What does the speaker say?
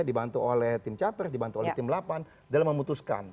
dibantu oleh tim capres dibantu oleh tim delapan dalam memutuskan